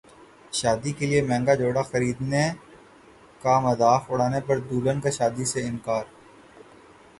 شادی کیلئے مہنگا جوڑا خریدنے کا مذاق اڑانے پر دلہن کا شادی سے انکار